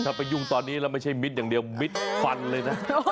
ถ้าไปยุ่งตอนนี้แล้วไม่ใช่มิดอย่างเดียวมิดฟันเลยนะ